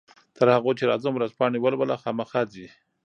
تر هغو چې راځم ورځپاڼې ولوله، خامخا ځې؟